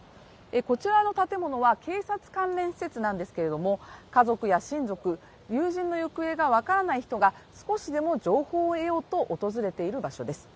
こちらの建物は警察関連施設なんですけれども家族や親族、友人の行方が分からない人が少しでも情報を得ようと訪れている場所です。